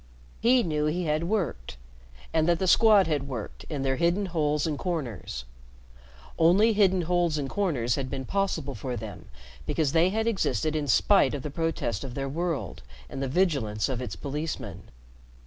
He knew he had worked, and that the Squad had worked, in their hidden holes and corners. Only hidden holes and corners had been possible for them because they had existed in spite of the protest of their world and the vigilance of its policemen.